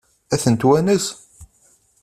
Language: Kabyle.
Ad ten-twanes?